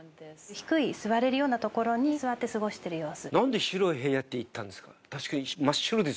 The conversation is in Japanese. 低い座れるような所に座って過ごしてる様子。